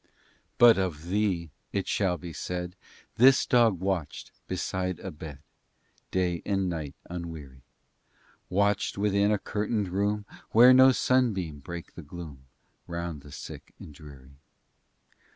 VII But of thee it shall be said, This dog watched beside a bed Day and night unweary, Watched within a curtained room Where no sunbeam brake the gloom, Round the sick and dreary.